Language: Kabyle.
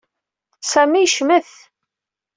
Sami yecmet.